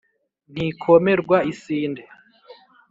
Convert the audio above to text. ntikomerwa isinde,